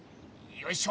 よいしょ。